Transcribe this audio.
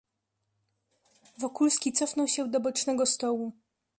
"Wokulski cofnął się do bocznego stołu."